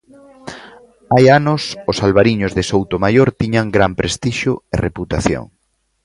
Hai anos, os albariños de Soutomaior tiñan gran prestixio e reputación.